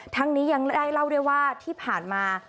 ทั้งนี้ยังได้เล่าด้วยว่าที่ผ่านมา